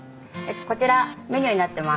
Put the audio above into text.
こちらメニューになってます。